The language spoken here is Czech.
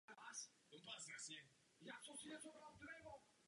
Je nakonec záležitostí Egypťanů si vybrat své vůdce.